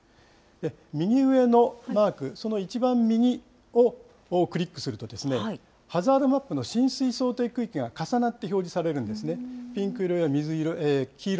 右上のマーク、その一番右をクリックすると、ハザードマップの浸水想定区域が重なって表示されるんですね。